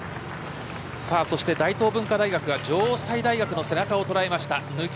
そして大東文化大学が城西大学の背中を捉えました。